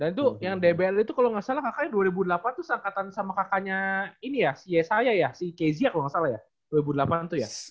dan tuh yang dbl itu kalo gak salah kakaknya dua ribu delapan tuh sengkatan sama kakaknya ini ya si yesaya ya si kezia kalo gak salah ya dua ribu delapan tuh ya